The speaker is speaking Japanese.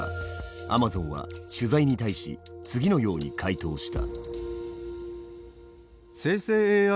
ａｍａｚｏｎは取材に対し次のように回答した。